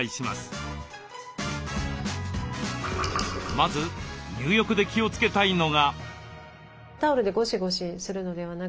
まず入浴で気をつけたいのが。